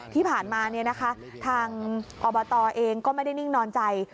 ที่ผ่านมาทางอบตเองก็ไม่ได้นิ่งนอนใจ